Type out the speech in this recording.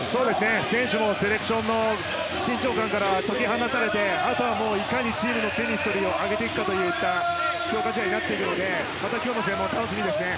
選手もセレクションの緊張感から解き放たれて、あとはいかにチームのケミストリーを上げていくかといった強化試合になっていくのでまた今日の試合も楽しみですね。